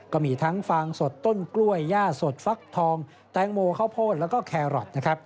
ก็มีทั้งฟางสดต้นกล้วยย่าสดฟักทองแตงโมข้าวโพดแล้วก็แครอทนะครับ